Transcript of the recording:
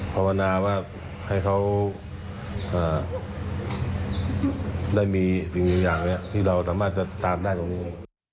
ภาวนาว่าให้เขาได้มีสิ่งอย่างนี้ที่เราสามารถจะตามได้ตรงนี้